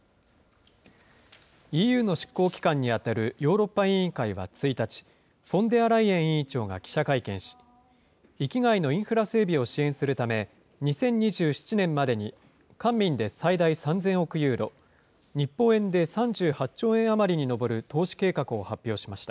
ＥＵの執行機関に当たるヨーロッパ委員会は１日、フォンデアライエン委員長が記者会見し、域外のインフラ整備を支援するため、２０２７年までに官民で最大３０００億ユーロ、日本円で３８兆円余りに上る投資計画を発表しました。